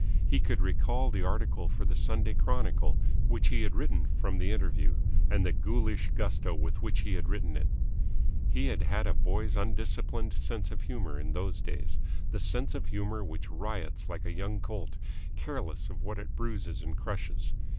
He could recall the article for the Sunday Chronicle which he had written from the interview, and the ghoulish gusto with which he had written it. He had had a boy's undisciplined sense of humour in those days, the sense of humour which riots like a young colt, careless of what it bruises and crushes.